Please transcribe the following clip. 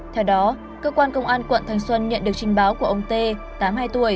theo đó cơ quan công an quận thanh xuân nhận được trình báo của ông t tám mươi hai tuổi